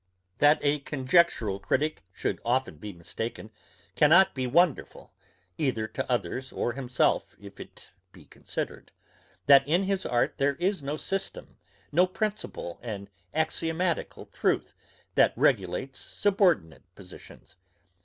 That a conjectural critick should often be mistaken, cannot be wonderful, either to others or himself, if it be considered, that in his art there is no system, no principal and axiomatical truth that regulates subordinate positions.